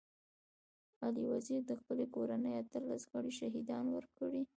علي وزير د خپلي کورنۍ اتلس غړي شهيدان ورکړي.